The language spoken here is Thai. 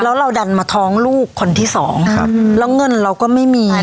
แล้วเราดันมาท้องลูกคนที่สองครับแล้วเงินเราก็ไม่มี